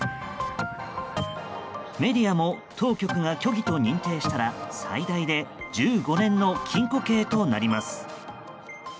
メディアも当局が虚偽と認定したら最大で１５年の禁固刑となります。